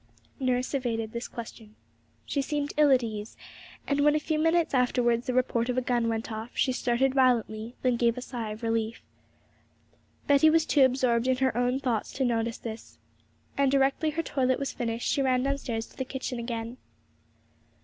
Nurse evaded this question; she seemed ill at ease; and when a few minutes afterwards the report of a gun went off, she started violently, then gave a sigh of relief. Betty was too absorbed in her own thoughts to notice this; and, directly her toilet was finished, she ran downstairs to the kitchen again.